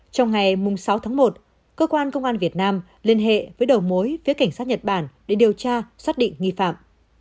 trong ngày sáu tháng một cơ quan công an việt nam liên hệ với đầu mối phía cảnh sát nhật bản để điều tra xác định nghi phạm